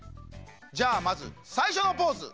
じゃあまずさいしょのポーズ。